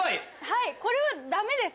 はい。